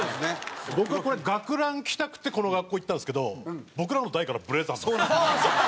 僕はこれ学ラン着たくてこの学校行ったんですけど僕らの代からブレザーになったんですよ。